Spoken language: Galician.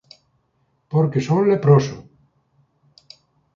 Porque son leproso!